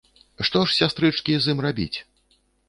Што ж, сястрычкі, з ім рабіць?